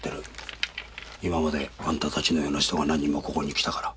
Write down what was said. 今まであんたたちのような人が何人もここに来たから。